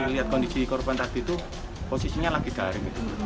lihat kondisi korban tadi itu posisinya lagi daring